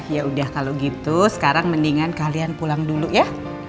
ya udah kalau gitu sekarang mendingan kalian pulang dulu ya